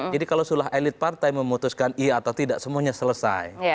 jadi kalau sulah elit partai memutuskan iya atau tidak semuanya selesai